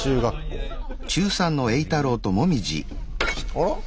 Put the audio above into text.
あら？